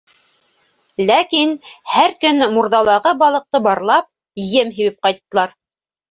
Ләкин һәр көн мурҙалағы балыҡты барлап, ем һибеп ҡайттылар.